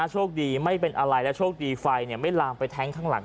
โชคดีไม่เป็นอะไรและโชคดีไฟไม่ลามไปแท้งข้างหลัง